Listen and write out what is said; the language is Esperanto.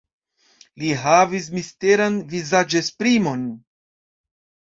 Li havis misteran vizaĝesprimon.